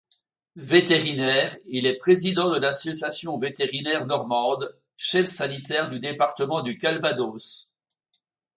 Vétérinaire, il est président de l'association vétérinaire normande, chef sanitaire du département du Calvados.